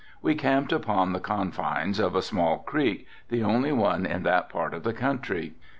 We camped upon the confines of a small creek, the only one in that part of the country.